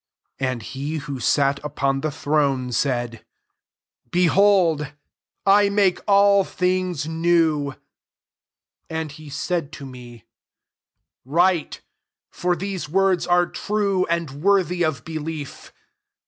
5 And he who sat upon the thronC} said, "Behold, I make all things new." And he said [^fl me,] " Write : for these woriis are true and worthy of belief."